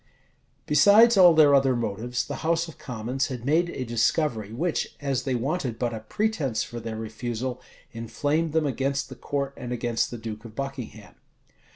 Besides all their other motives, the house of commons had made a discovery, which, as they wanted but a pretence for their refusal, inflamed them against the court and against the duke of Buckingham.